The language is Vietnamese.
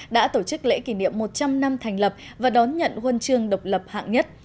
đã tổ chức lễ kỷ niệm một trăm linh năm thành lập và đón nhận huân chương độc lập hạng nhất